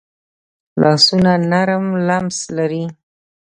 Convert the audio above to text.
لاسونه نرم لمس لري